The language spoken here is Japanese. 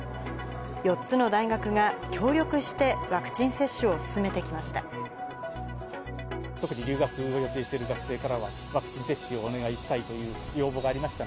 ４つの大学が協力してワクチン接種を進めてきました。